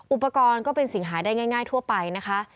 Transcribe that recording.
อุปกรณ์ก็เป็นสิ่งหาได้ง่ายทั่วไปนะคะ